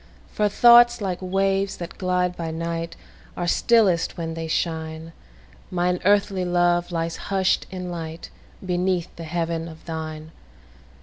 For thoughts, like waves that glide by night, Are stillest when they shine; Mine earthly love lies hush'd in lightBeneath the heaven of thine.